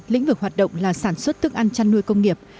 lĩnh vực hoạt động là sản xuất thức ăn chăn nuôi công nghiệp